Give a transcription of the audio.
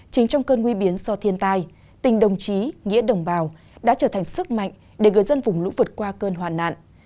chính trong cơn nguy biến so thiên tai tình đồng chí nghĩa đồng bào đã trở thành sức mạnh để gửi dân vùng lũ vượt qua cơn hoạn nạn